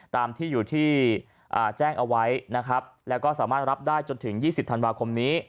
ตามที่อยู่ที่แจ้งเอาไว้นะครับแล้วก็สามารถรับได้จนถึง๒๐ธันวาคมนี้